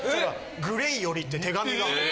「ＧＬＡＹより」って手紙が入ってて。